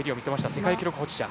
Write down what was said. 世界記録保持者。